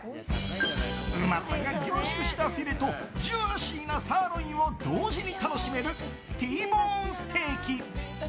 うまさが凝縮したフィレとジューシーなサーロインを同時に楽しめるＴボーンステーキ。